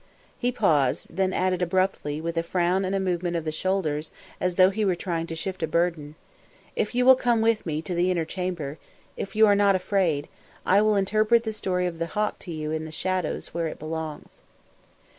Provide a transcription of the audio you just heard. He paused, then added abruptly, with a frown and a movement of the shoulders as though he were trying to shift a burden, "If you will come with me to the inner chamber, if you are not afraid, I will interpret the Story of the Hawk to you in the shadows where it belongs."